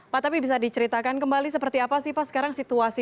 pak tapi bisa diceritakan kembali seperti apa sih pak sekarang situasi